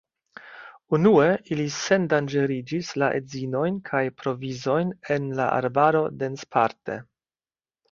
Unue, ili sendanĝeriĝis la edzinojn kaj provizojn en la arbaro densparte.